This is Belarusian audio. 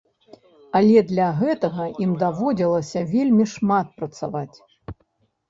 Але для гэтага ім даводзілася вельмі шмат працаваць.